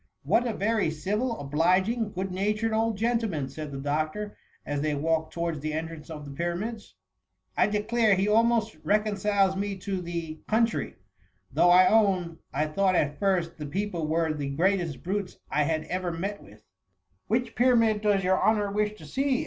" What a very civil, obliging, good natured old gentleman !" said the doctor, as they walk ed towards the entrance of the Pyramids ;" I declare he almost reconciles me to the coun try, though, I own, I thought at first the peo ple were the greatest brutes I had ever met with/' " Which Pyramid does your honour wish to see